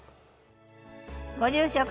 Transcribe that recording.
ご住職